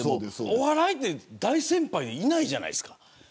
お笑いは大先輩でいないじゃないですか。